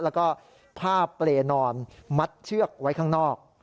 แล้วก็ผ้าเปรย์นอนมัดเชือกไว้ข้างนอก